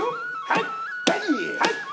はい！